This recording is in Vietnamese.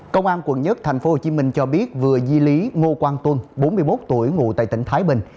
công an quận nhất tp hcm cho biết vừa di lý ngô quang tôn bốn mươi một tuổi ngủ tại tỉnh thái bình